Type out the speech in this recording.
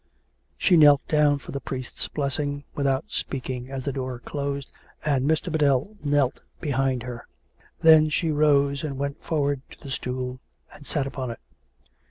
She knelt down for the priest's blessing, without speak ing, as the door closed, and Mr. Biddell knelt behind her. Then she rose and went forward to the stool and sat upon it.